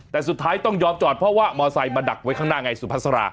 แต่สุดท้ายต้องยอมจอดเพราะว่ามอไซค์มาดักไว้ข้างหน้าไงสุภาษา